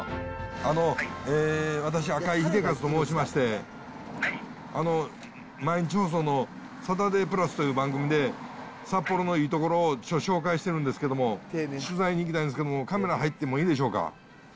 あの、私、赤井英和と申しまして、毎日放送のサタデープラスという番組で、札幌のいい所を紹介してるんですけども、取材に行きたいんですけども、カメラ入ってもいいでしょうか？